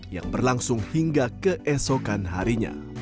yang berlangsung hingga keesokan harinya